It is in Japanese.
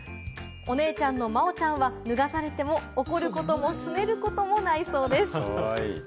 お姉ちゃんのまおちゃんは脱がされても怒ることもすねることもないそうです。